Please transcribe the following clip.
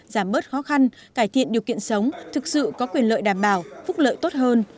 giảm bớt khó khăn cải thiện điều kiện sống thực sự có quyền lợi đảm bảo phúc lợi tốt hơn